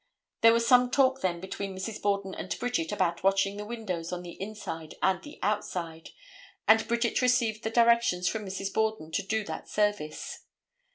There was some talk then between Mrs. Borden and Bridget about washing the windows on the inside and the outside, and Bridget received the directions from Mrs. Borden to do that service.